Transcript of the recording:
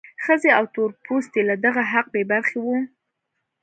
ښځې او تور پوستي له دغه حقه بې برخې وو.